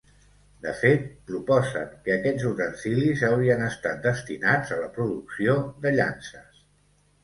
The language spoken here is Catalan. De fet, proposen que aquests utensilis haurien estat destinats a la producció de llances.